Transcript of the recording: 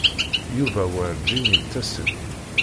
Yuba werǧin yettas-d.